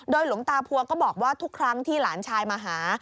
หลวงตาพัวก็บอกว่าทุกครั้งที่หลานชายมาหา